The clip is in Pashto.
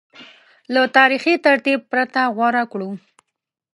له تاریخي ترتیب پرته غوره کړو